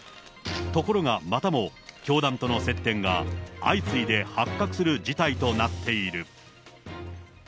ところがまたも、教団との接点が相次いで発覚する事態となっている。